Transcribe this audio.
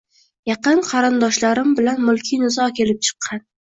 Yaqin qarindoshlarim bilan mulkiy nizo kelib chiqqan